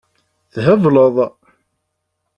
Thebleḍ.